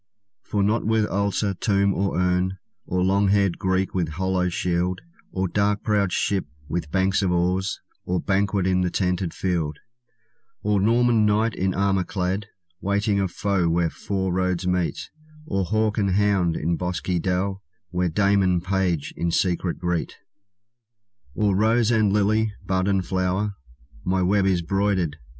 For not with altar, tomb, or urn, Or long haired Greek with hollow shield, Or dark prowed ship with banks of oars, Or banquet in the tented field; Or Norman knight in armor clad, Waiting a foe where four roads meet; Or hawk and hound in bosky dell, Where dame and page in secret greet; Or rose and lily, bud and flower, My web is broidered.